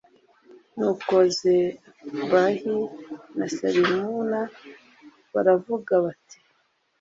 nuko zebahi na salimuna baravuga bati